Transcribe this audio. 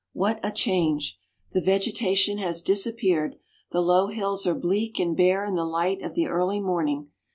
What a change ! The vegetation has disappeared. The low hills are bleak and bare in the light of the early morning.